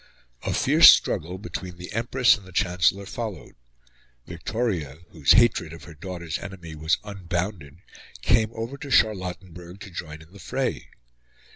A fierce struggle between the Empress and the Chancellor followed. Victoria, whose hatred of her daughter's enemy was unbounded, came over to Charlottenburg to join in the fray.